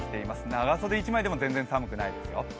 長袖１枚でも全然寒くないですよ。